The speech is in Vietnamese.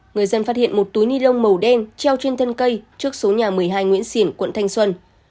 người dân phát hiện một túi nilon màu đen treo trên thân cây trước số nhà một mươi hai nguyễn xỉn quận thanh xuân